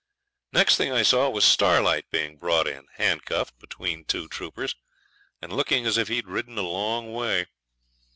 Next thing I saw was Starlight being brought in, handcuffed, between two troopers, and looking as if he'd ridden a long way.